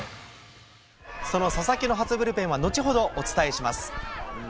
その佐々木の初ブルペンは後ほどお伝えします。